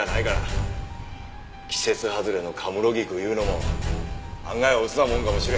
季節外れの神室菊いうのも案外オツなもんかもしれへんで。